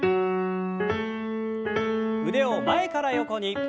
腕を前から横に。